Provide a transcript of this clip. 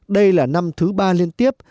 đây là năm thứ ba liên tiếp